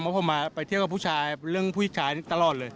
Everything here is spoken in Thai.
เพราะผมไปเที่ยวกับผู้ชายเรื่องผู้ชายตลอดเลย